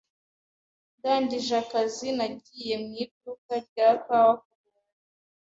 Ndangije akazi, nagiye mu iduka rya kawa kuruhuka.